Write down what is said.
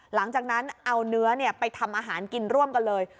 หลังจากนั้นเอาเนื้อไปทำอาหารกินร่วมกันเลย